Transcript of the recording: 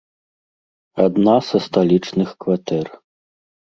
Адна са сталічных кватэр.